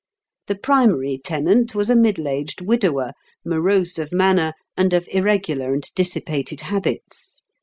The primary tenant was a middle aged widower, morose of manner, and of irregular and dissipated habits.